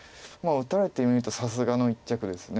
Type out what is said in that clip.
打たれてみるとさすがの一着です。